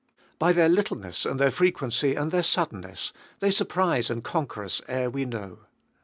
By their littleness and their frequency and their suddenness, they surprise and conquer us ere we know.